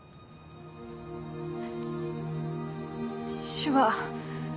手話。